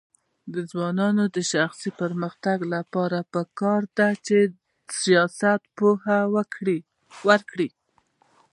د ځوانانو د شخصي پرمختګ لپاره پکار ده چې سیاست پوهه ورکړي.